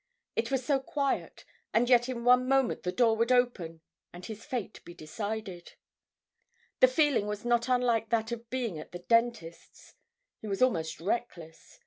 It was so quiet, and yet in one moment the door would open, and his fate be decided. The feeling was not unlike that of being at the dentist's; he was almost reckless.